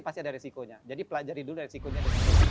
pasti ada risikonya jadi pelajari dulu risikonya